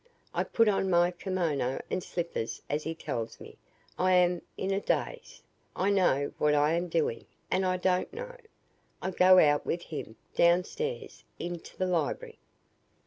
I put on my kimono and slippers, as he tells me. I am in a daze. I know what I am doing and I don't know. I go out with him, downstairs, into the library."